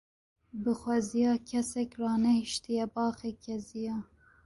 Bi xweziya kesek ranehîştiye baxê keziya